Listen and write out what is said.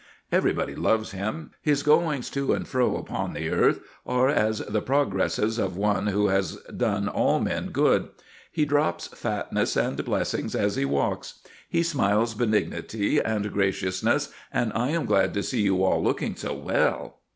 Everybody loves him; his goings to and fro upon the earth are as the progresses of one who has done all men good. He drops fatness and blessings as he walks. He smiles benignity and graciousness and "I am glad to see you all looking so well."